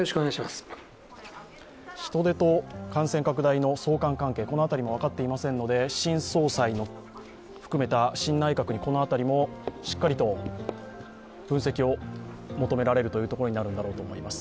人出と感染拡大の相関関係も分かっていませんので新総裁の含めた新内閣でしっかりと分析を求められるところになるんだろうと思います。